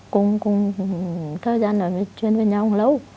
cùng thời gian nói chuyện với nhau lâu